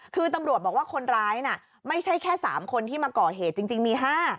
คือตำรวจบอกว่าคนร้ายน่ะไม่ใช่แค่๓คนที่มาก่อเหตุจริงมี๕